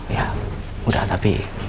ya udah tapi